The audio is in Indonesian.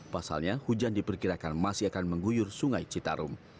pasalnya hujan diperkirakan masih akan mengguyur sungai citarum